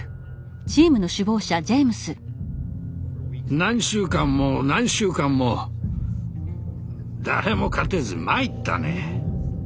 何週間も何週間も誰も勝てず参ったね。